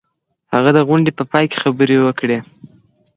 هغه د غونډې په پای کي خبري وکړې.